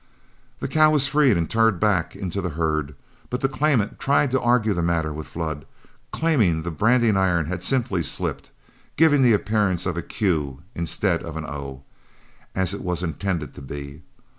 The cow was freed and turned back into the herd, but the claimant tried to argue the matter with Flood, claiming the branding iron had simply slipped, giving it the appearance of a "Q" instead of an "O" as it was intended to be.